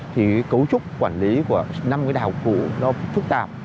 thì cấu trúc quản lý của năm đại học cũ nó phức tạp